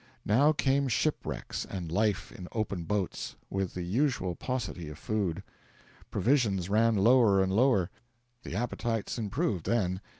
Now came shipwrecks and life in open boats, with the usual paucity of food. Provisions ran lower and lower. The appetites improved, then.